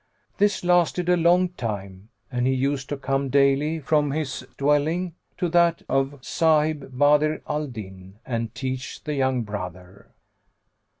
This lasted a long time, and he used to come daily from his dwelling to that of Sαhib[FN#102] Badr al Din and teach the young brother.